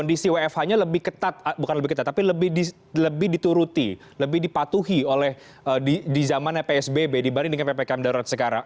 kondisi wfh nya lebih ketat bukan lebih ketat tapi lebih dituruti lebih dipatuhi oleh di zaman psbb dibanding dengan ppkm darurat sekarang